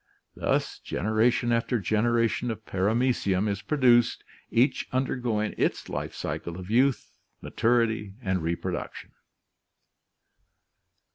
Thus generation after generation of Paramecium is pro duced, each undergoing its life cycle of youth, maturity, and reproduction.